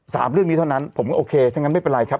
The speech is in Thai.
สามเรื่องนี้เท่านั้นผมก็โอเคถ้างั้นไม่เป็นไรครับ